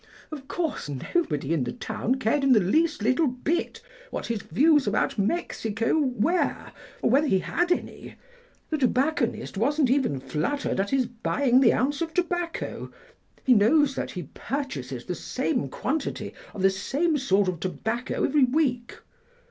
Of course nobody in the town cared in the least little bit what his views about Mexico were or whether he had any. The tobacconist wasn't even fluttered at his buying the ounce of tobacco; he knows that he purchases the same quantity of the same sort of tobacco every week.